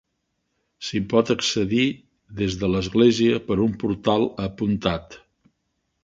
S'hi pot accedir des de l'església per un portal apuntat.